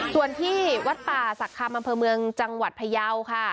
ส่วนที่วัดป่าศักดิ์คำอำเภอเมืองจังหวัดพยาวค่ะ